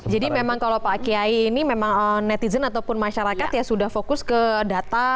jadi memang kalau pak kiai ini memang netizen ataupun masyarakat ya sudah fokus ke data